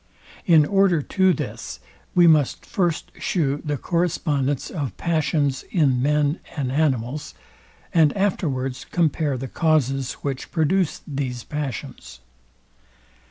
In order to this we must first shew the correspondence of passions in men and animals, and afterwards compare the causes, which produce these passions.